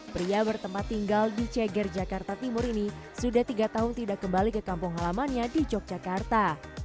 pria bertempat tinggal di ceger jakarta timur ini sudah tiga tahun tidak kembali ke kampung halamannya di yogyakarta